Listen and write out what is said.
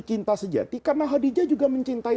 cinta sejati karena hodijah juga mencintai